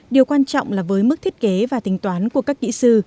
điều quan trọng là với mức thiết kế và tính toán của các kỹ sư